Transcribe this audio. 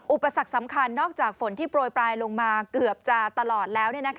อุปสรรคสำคัญนอกจากฝนที่โปรยปลายลงมาเกือบจะตลอดแล้ว